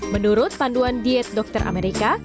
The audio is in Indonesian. menurut panduan diet dokter amerika